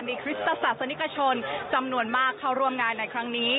มีคริสตศาสนิกชนจำนวนมากเข้าร่วมงานในครั้งนี้